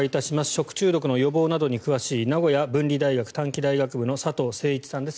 食中毒の予防などに詳しい名古屋文理大学短期大学部の佐藤生一さんです。